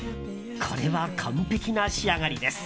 これは完璧な仕上がりです。